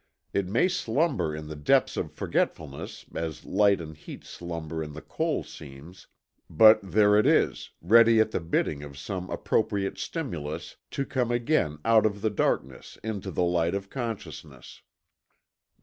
It may slumber in the depths of forgetfulness as light and heat slumber in the coal seams, but there it is, ready at the bidding of some appropriate stimulus to come again out of the darkness into the light of consciousness."